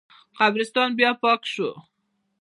قبرستان بیا پاک شو.